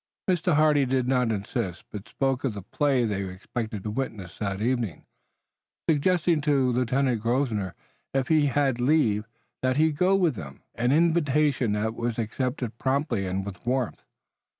Mr. Hardy did not insist, but spoke of the play they expected to witness that evening, suggesting to Lieutenant Grosvenor if he had leave, that he go with them, an invitation that was accepted promptly and with warmth.